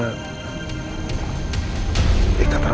ikatan rambut yang aku kasih ke rena